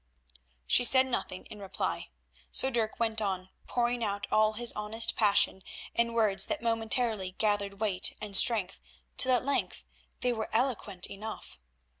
She said nothing in reply. So Dirk went on pouring out all his honest passion in words that momentarily gathered weight and strength, till at length they were eloquent enough.